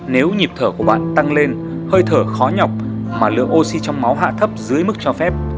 nếu nhịp thở của bạn tăng lên hơi thở khó nhọc mà lượng oxy trong máu hạ thấp dưới mức cho phép